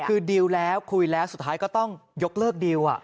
คือดิวแล้วคุยแล้วสุดท้ายก็ต้องยกเลิกดิว